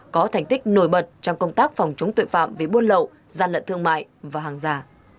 có thành tích nổi bật trong công tác phòng chống tội phạm về buôn lậu gian lận thương mại và hàng giả